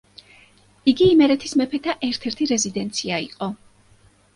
იგი იმერეთის მეფეთა ერთ-ერთი რეზიდენცია იყო.